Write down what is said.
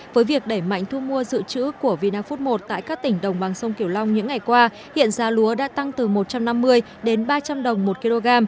với việc đẩy mạnh thu mua dự trữ của vina food một tại các tỉnh đồng bằng sông kiểu long những ngày qua hiện giá lúa đã tăng từ một trăm năm mươi đến ba trăm linh đồng một kg